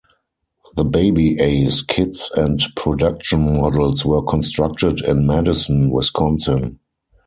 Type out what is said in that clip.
The Baby Ace kits and production models were constructed in Madison, Wisconsin.